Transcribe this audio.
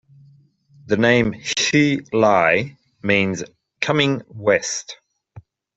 The name "Hsi Lai" means "Coming West.